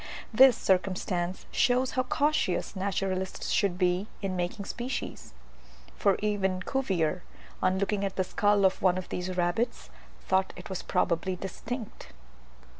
This circumstance shows how cautious naturalists should be in making species; for even Cuvier, on looking at the skull of one of these rabbits, thought it was probably distinct!